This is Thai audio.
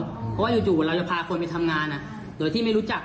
เพราะว่าอยู่จุดวันเราจะพาคนไปทำงานหรือที่ไม่รู้จัก